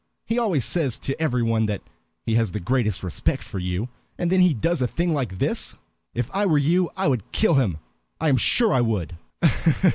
"He always says to every one that he has the greatest respect for you, and then he does a thing like this. If I were you I would kill him I am sure I would."